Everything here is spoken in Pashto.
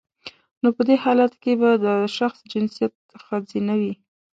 نو په دی حالت کې به د شخص جنسیت خځینه وي